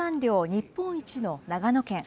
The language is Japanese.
日本一の長野県。